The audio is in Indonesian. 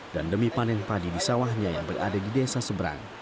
dan demi panen padi di sawahnya yang berada di desa seberang